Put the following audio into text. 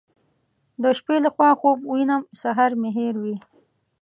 د شپې له خوا خوب وینم سهار مې هېروي.